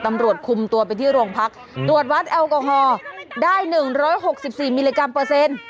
ตำรวจคุมตัวไปที่โรงพักตรวจวัดแอลกอฮอล์ได้๑๖๔มิลลิกรัมเปอร์เซ็นต์